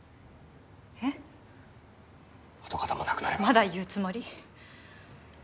まだ言うつもり？